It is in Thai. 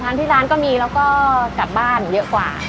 ที่ร้านก็มีแล้วก็กลับบ้านเยอะกว่า